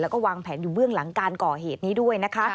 แล้วก็วางแผนอยู่เบื้องหลังการก่อเหตุนี้ด้วยนะคะ